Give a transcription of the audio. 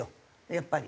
やっぱり。